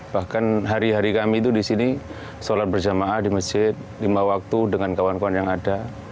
bahkan hari hari kami itu di sini sholat berjamaah di masjid lima waktu dengan kawan kawan yang ada